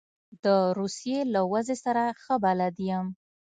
د روسیې له وضع سره ښه بلد یم.